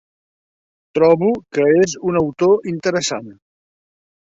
Trobo que és un autor interessant.